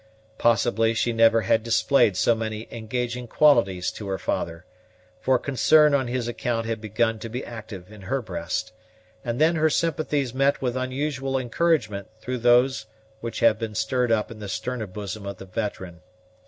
Possibly she never had displayed so many engaging qualities to her father; for concern on his account had begun to be active in her breast; and then her sympathies met with unusual encouragement through those which had been stirred up in the sterner bosom of the veteran.